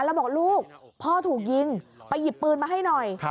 แล้วบอกลูกพ่อถูกยิงไปหยิบปืนมาให้หน่อย